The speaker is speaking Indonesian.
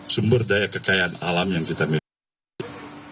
sumber daya kekayaan alam yang kita miliki